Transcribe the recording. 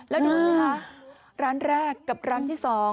แล้วดูสิคะร้านแรกกับร้านที่๒